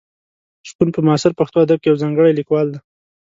شپون په معاصر پښتو ادب کې یو ځانګړی لیکوال دی.